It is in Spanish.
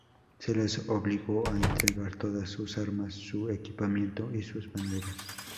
Se les obligó a entregar todas sus armas, su equipamiento y sus banderas.